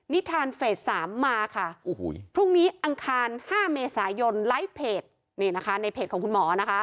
นิทานเฟส๓มาค่ะพรุ่งนี้อังคาร๕เมษายนไลฟ์เพจนี่นะคะในเพจของคุณหมอนะคะ